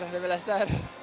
dari belah star